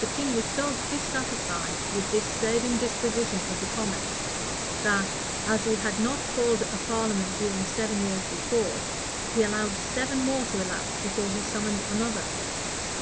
The king was so dissatisfied with this saving disposition of the commons, that, as he had not called a parliament during seven years before, he allowed seven more to elapse before he summoned another.